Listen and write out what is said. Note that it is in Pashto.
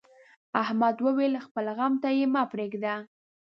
احمد وويل: خپل غم ته یې پرېږده.